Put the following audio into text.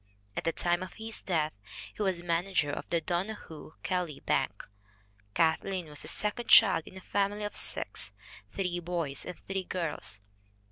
At the time of his death he was manager of the Donohoe Kelly Bank. Kathleen was the second child in a family of six three boys and three girls.